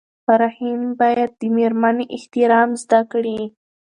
رحیم باید د مېرمنې احترام زده کړي.